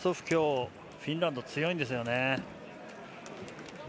今日、フィンランド強いんですね。